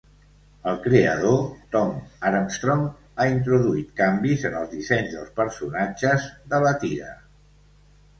El creador, Tom Armstrong, ha introduït canvis en els dissenys dels personatges de la tira.